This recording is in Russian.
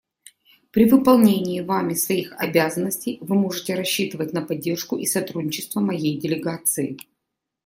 При выполнении вами своих обязанностей вы можете рассчитывать на поддержку и сотрудничество моей делегации.